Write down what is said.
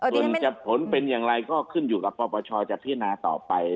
ส่วนจะผลเป็นอย่างไรก็ขึ้นอยู่กับปปชจะพิจารณาต่อไป